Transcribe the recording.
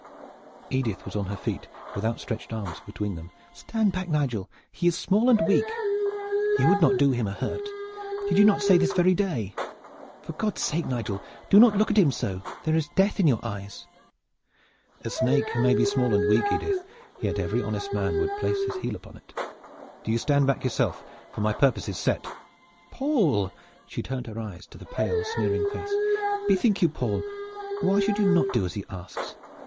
Edith was on her feet with outstretched arms between them. "Stand back, Nigel! He is small and weak. You would not do him a hurt! Did you not say so this very day? For God's sake, Nigel, do not look at him so! There is death in your eyes." "A snake may be small and weak, Edith, yet every honest man would place his heel upon it. Do you stand back yourself, for my purpose is set." "Paul!" she turned her eyes to the pale sneering face. "Bethink you, Paul! Why should you not do what he asks?